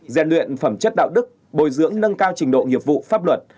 gian luyện phẩm chất đạo đức bồi dưỡng nâng cao trình độ nghiệp vụ pháp luật